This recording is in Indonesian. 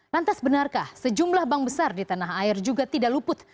lantas benarkah sejumlah bank besar di tanah air juga tidak luput